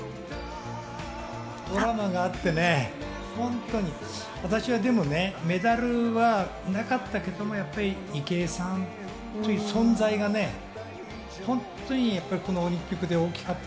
ドラマがあって、私はでもメダルはなかったけど、やっぱり池江さんという存在がこのオリンピックで大きかった。